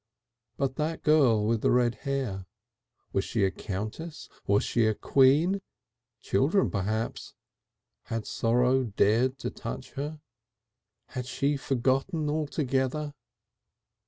But that girl with the red hair was she a countess? was she a queen? Children perhaps? Had sorrow dared to touch her? Had she forgotten altogether?...